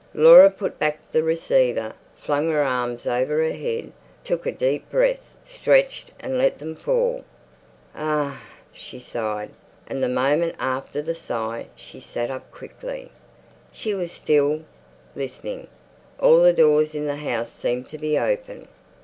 Laura put back the receiver, flung her arms over her head, took a deep breath, stretched and let them fall. "Huh," she sighed, and the moment after the sigh she sat up quickly. She was still, listening. All the doors in the house seemed to be open.